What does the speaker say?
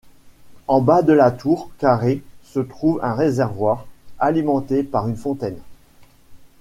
En bas de la tour carré se trouve un réservoir, alimenté par une fontaine.